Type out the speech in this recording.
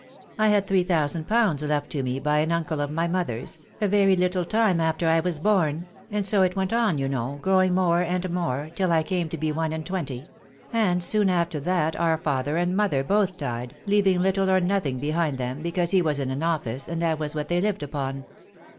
I had three thousand pounds left to me by an uncle of my mother's, a very httle time after I was born, and so it went on, you know, growing more and more, till I came to be one and twenty ; and soon after that our father and mother both died, leaving httle or nothing behind them, because he was in an office, and that was what they hved upon.